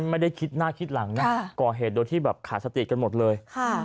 ไม่ได้คิดหน้าคิดหลังนะก่อเหตุโดยที่แบบขาดสติกันหมดเลย